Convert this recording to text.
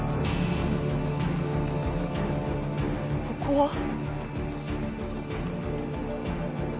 ここは？